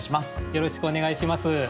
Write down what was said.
よろしくお願いします。